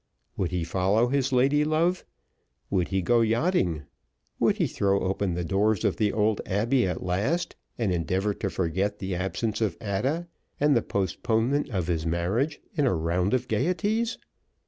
Would he follow his lady love? would he go yachting? would he throw open the doors of the old Abbey at last, and endeavor to forget the absence of Ada and the postponement of his marriage in a round of gayeties?